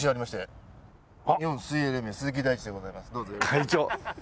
会長。